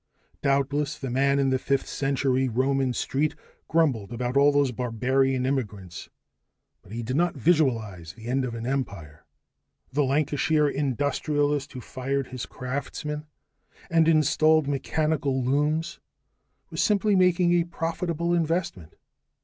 Doubtless the man in the fifth century Roman street grumbled about all these barbarian immigrants, but he did not visualize the end of an empire. The Lancashire industrialist who fired his craftsmen and installed mechanical looms was simply making a profitable investment.